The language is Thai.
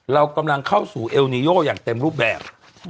เรากำลังเข้าสู่เอลนิโยอย่างเต็มรูปแบบ